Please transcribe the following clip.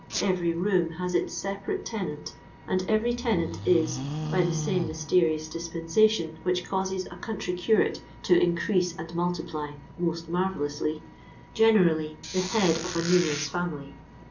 Kvery room has its separate tenant, and every tenant is, by the same mysterious dispensation which causes a country curate to ' increase and multiply' most marvellously, generally the head of a numerous family.